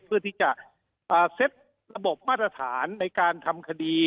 เพื่อที่จะเซ็ตระบบมาตรฐานในการทำคดี